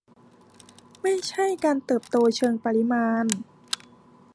ไม่ใช่การเติบโตเชิงปริมาณ